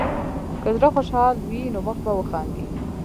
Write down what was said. که زړه خوشحال وي، نو مخ به وخاندي.